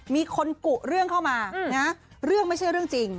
มีคนกุเรื่องเข้ามาเรื่องไม่ใช่เรื่องจริง